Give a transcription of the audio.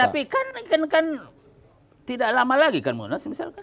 tapi kan tidak lama lagi kan munas misalkan